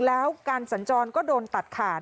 แล้วการสัญจรก็โดนตัดขาด